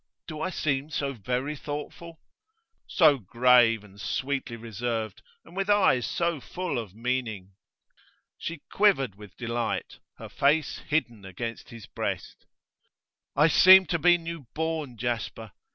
Do I seem so very thoughtful?' 'So grave, and sweetly reserved, and with eyes so full of meaning.' She quivered with delight, her face hidden against his breast. 'I seem to be new born, Jasper.